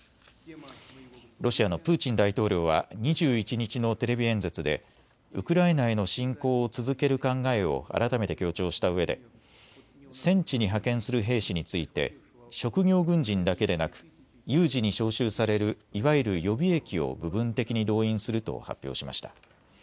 ロシアのプーチン大統領は２１日のテレビ演説でウクライナへの侵攻を続ける考えを改めて強調したうえで戦地に派遣する兵士について職業軍人だけでなく有事に招集されるいわゆる予備役を部分的に動員すると発表しました。